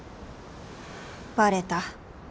バレた。